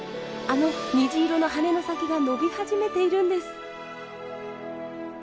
あの虹色の羽の先が伸び始めているんです。